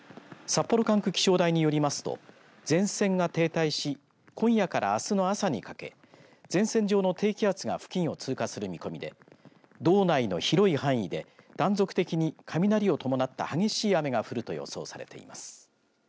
札幌管区気象台によりますと前線が停滞し今夜からあすの朝にかけ前線上の低気圧が付近を通過する見込みで道内の広い範囲で断続的に雷を伴った激しい雨が降ると予想されています。